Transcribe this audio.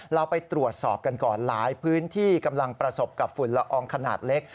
เราไปตรวจสอบกันก่อนหลายพื้นที่กำลังประสบกับฝุ่นละอองขนาดเล็ก